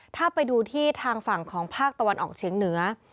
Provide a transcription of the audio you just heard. ถ้าไปดูที่ทางฝั่งของภาคตะวันออกเฉียงเหนือ